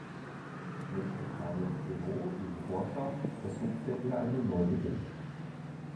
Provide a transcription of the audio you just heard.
Mit einem kleinen Büro in Rorschach versuchte er einen Neubeginn.